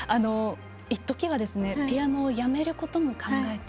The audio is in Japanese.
一時はピアノをやめることも考えた。